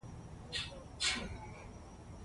له غلو- دانو ډوډۍ فایبر لري.